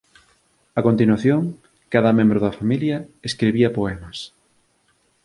A continuación, cada membro da familia escribía poemas.